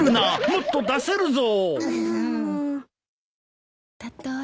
もっと出せるぞ！